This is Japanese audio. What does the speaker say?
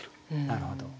なるほど。